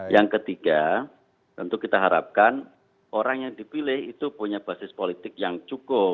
yang ketiga tentu kita harapkan orang yang dipilih itu punya basis politik yang cukup